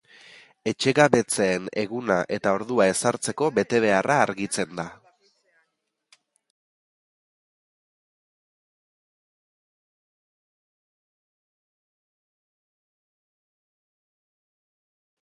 Etxegabetzeen eguna eta ordua ezartzeko betebeharra argitzen da.